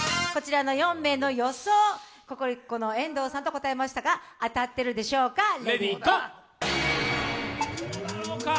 こちらの４名の予想、ココリコの遠藤さんと答えましたが当たっているでしょうか？